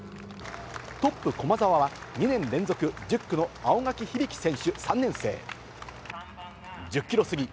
トップ、駒澤は、２年連続１０区の青柿響選手３年生。